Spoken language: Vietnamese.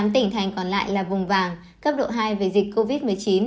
một mươi tám tỉnh thành còn lại là vùng vàng cấp độ hai về dịch covid một mươi chín